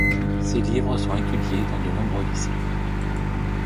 Ses livres sont étudiés dans de nombreux lycées.